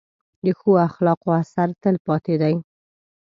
د ښو اخلاقو اثر تل پاتې دی.